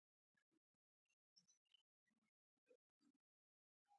ستړي لښکر سترګې پټې کړې.